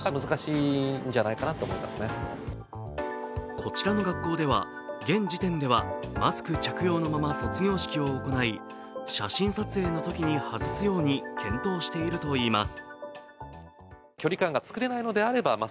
こちらの学校では、現時点ではマスク着用のまま卒業式を行い写真撮影のときに外すように検討しているといいます。